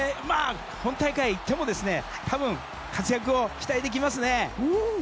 本大会に行っても多分、活躍を期待できますね。